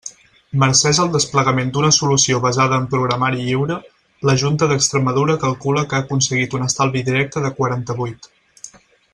Mercès al desplegament d'una solució basada en programari lliure, la Junta d'Extremadura calcula que ha aconseguit un estalvi directe de quaranta-vuit.